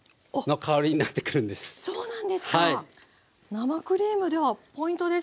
生クリームではポイントですね。